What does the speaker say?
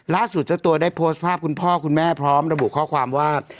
เจ้าตัวได้โพสต์ภาพคุณพ่อคุณแม่พร้อมระบุข้อความว่า